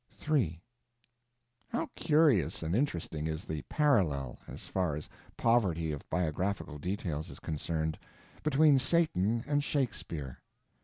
III How curious and interesting is the parallel—as far as poverty of biographical details is concerned—between Satan and Shakespeare.